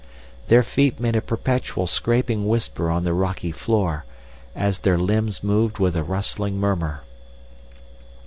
Their feet made a perpetual scraping whisper on the rocky floor, as their limbs moved with a rustling murmur.